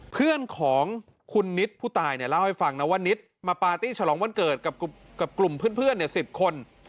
เพื่อนของคุณนิดผู้ตายเนี่ยเล่าให้ฟังนะว่านิดมาปาร์ตี้ฉลองวันเกิดกับกลุ่มเพื่อน๑๐คน